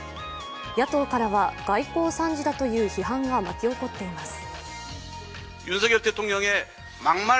野党からは外交惨事だという批判が巻き起こっています。